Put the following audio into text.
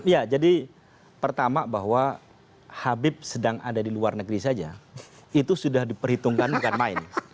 ya jadi pertama bahwa habib sedang ada di luar negeri saja itu sudah diperhitungkan bukan main